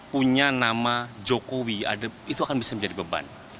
punya nama jokowi itu akan bisa menjadi beban